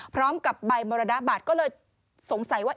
พร้อมกับใบมรณบัตรก็เลยสงสัยว่า